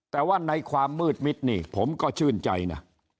แต่ว่าในความมืดมิดนี่ผมก็ชื่นใจนะ